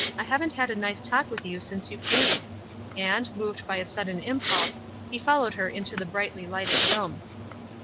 I haven't had a nice talk with you since you came," and, moved by a sud den impulse, he followed her into the brightlj lighted room.